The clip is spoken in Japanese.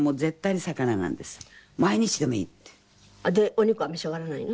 お肉は召し上がらないの？